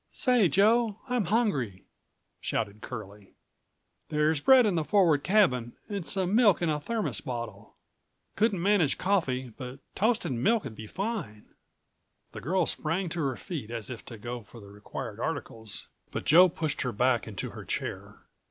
"Say, Joe, I'm hungry," shouted Curlie. "There's bread in the forward cabin and some milk in a thermos bottle. Couldn't manage coffee, but toast and milk'd be fine." The girl sprang to her feet as if to go for the required articles, but Joe pushed her back into her chair.